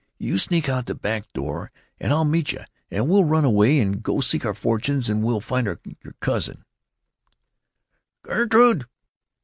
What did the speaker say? You sneak out the back door and I'll meet you, and we'll run away and go seek our fortunes and we'll find your cousin——" "Gerrrtrrrude!"